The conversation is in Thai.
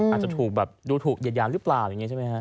อาจจะถูกแบบดูถูกเหยียดหยามหรือเปล่าอย่างนี้ใช่ไหมฮะ